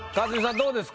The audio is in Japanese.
どうですか？